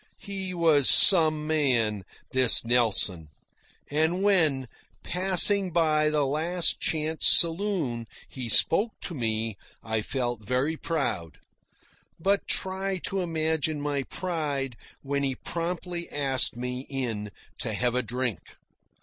He was some man, this Nelson; and when, passing by the Last Chance saloon, he spoke to me, I felt very proud. But try to imagine my pride when he promptly asked me in to have a drink.